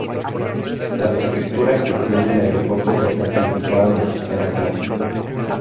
La prefectura gestiona el aeropuerto que está calificado de tercera clase.